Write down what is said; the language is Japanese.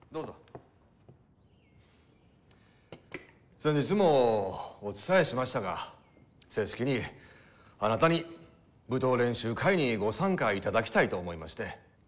先日もお伝えしましたが正式にあなたに舞踏練習会にご参加いただきたいと思いまして。